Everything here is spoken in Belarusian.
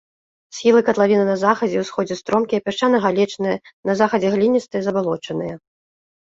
Схілы катлавіны на захадзе і ўсходзе стромкія, пясчана-галечныя, на захадзе гліністыя, забалочаныя.